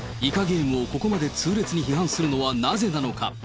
北朝鮮がイカゲームをここまで痛烈に批判するのはなぜなのか。